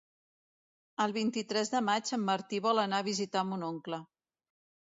El vint-i-tres de maig en Martí vol anar a visitar mon oncle.